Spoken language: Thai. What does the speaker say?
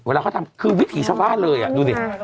เวลาเขาทำคือวิถีชาวบ้านเลยดูดิ